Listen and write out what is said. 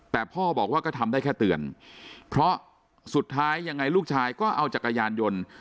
แต่พ่อบอกว่าก็ทำได้แค่เตือนเพราะสุดท้ายยังไงลูกชายก็เอาจักรยานยนต์